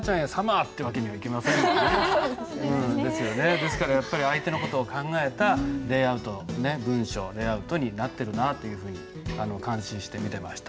ですからやっぱり相手の事を考えた文章レイアウトになってるなというふうに感心して見てました。